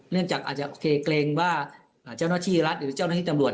เนื่องจากอาจจะโอเคเกรงว่าเจ้าหน้าที่รัฐหรือเจ้าหน้าที่ตำรวจ